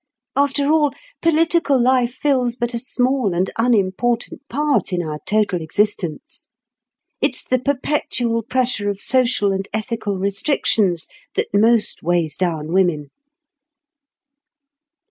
After all, political life fills but a small and unimportant part in our total existence. It's the perpetual pressure of social and ethical restrictions that most weighs down women."